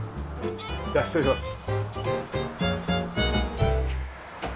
じゃあ失礼します。